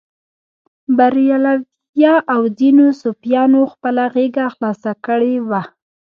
بریلویه او ځینو صوفیانو خپله غېږه خلاصه کړې وه.